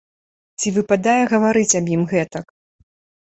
Ці выпадае гаварыць аб ім гэтак?